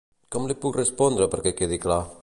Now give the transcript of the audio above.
Com li puc respondre perquè quedi clar?